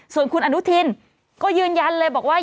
ส่วนคุณอนุทินก็ยืนยันเลยบอกว่า